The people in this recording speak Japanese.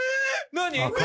何？